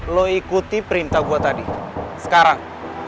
lo ikuti perintah gue tadi sekarang